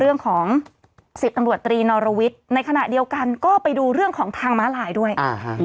เรื่องของ๑๐ตำรวจตรีนอรวิทย์ในขณะเดียวกันก็ไปดูเรื่องของทางม้าลายด้วย